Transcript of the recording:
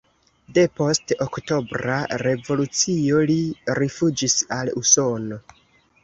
Depost Oktobra Revolucio li rifuĝis al Usono.